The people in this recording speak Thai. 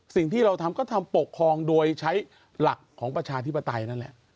สิ่งที่เราทำก็ทำปกครองโดยใช้หลักของประชาธิปไตยนั่นแหละ